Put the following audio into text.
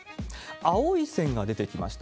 青い線が出てきました。